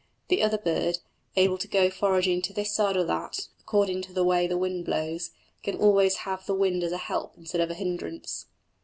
The other bird, able to go foraging to this side or that, according to the way the wind blows, can always have the wind as a help instead of a hindrance.